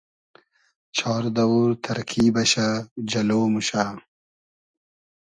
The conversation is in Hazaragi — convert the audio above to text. چار دئوور تئرکی بئشۂ جئلۉ موشۂ